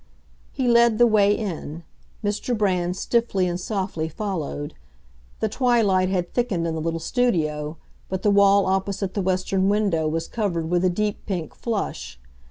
He led the way in; Mr. Brand stiffly and softly followed. The twilight had thickened in the little studio; but the wall opposite the western window was covered with a deep pink flush.